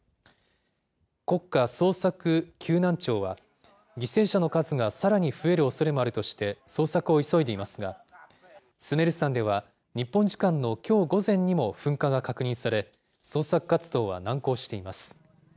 国家捜索救難庁は、犠牲者の数がさらに増えるおそれもあるとして、捜索を急いでいますが、スメル山では、日本時間のきょう午前にも噴火が確認され、捜索活動は難航しています。